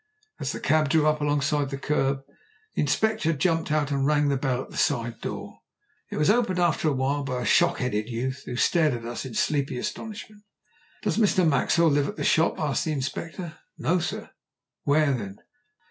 As the cab drew up alongside the curb the Inspector jumped out and rang the bell at the side door. It was opened after awhile by a shock headed youth, who stared at us in sleepy astonishment. "Does Mr. Maxwell live at the shop?" asked the Inspector. "No, sir." "Where then?"